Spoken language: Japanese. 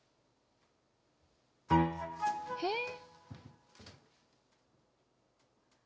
へえ？